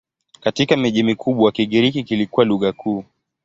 Katika miji mikubwa Kigiriki kilikuwa lugha kuu.